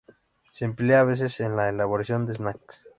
Se emplea a veces en la elaboración de "snacks".